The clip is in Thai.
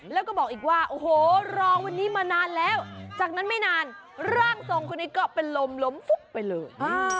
แล้วก็บอกอีกว่าโอ้โหรองวันนี้มานานแล้วจากนั้นไม่นานร่างทรงคนนี้ก็เป็นลมล้มฟุบไปเลย